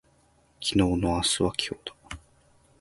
昨日の明日は今日だ